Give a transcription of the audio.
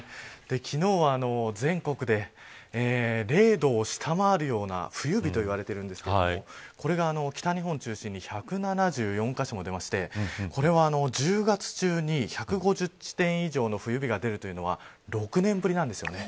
昨日は全国で０度を下回るような冬日と言われているんですけどこれが北日本を中心に１７４カ所も出ましてこれは１０月中に１５０地点以上の冬日が出るというのは６年ぶりなんです。